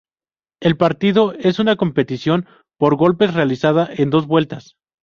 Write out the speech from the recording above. El partido es una competición por golpes realizada en dos vueltas.